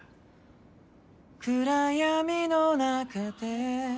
暗闇の中で